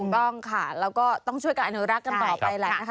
แล้วก็ต้องช่วยกับอนุรักษ์กันต่อไปแหละ